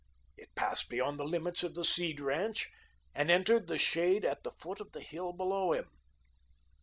It passed beyond the limits of the Seed ranch, and entered the shade at the foot of the hill below him.